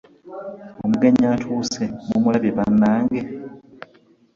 Omugenyi atuuse mumulabye banange?